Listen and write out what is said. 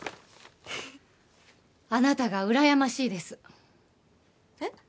フフッあなたがうらやましいですえっ？